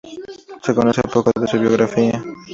Se conoce poco de su biografía.